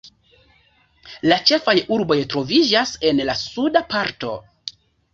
La ĉefaj urboj troviĝas en la suda parto.